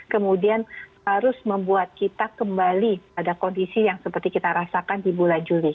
kemudian harus membuat kita kembali pada kondisi yang seperti kita rasakan di bulan juli